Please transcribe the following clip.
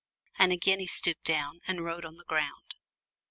And again he stooped down, and wrote on the ground.